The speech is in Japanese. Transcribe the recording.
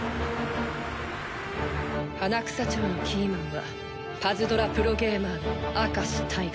花草町のキーマンはパズドラプロゲーマーの明石タイガ。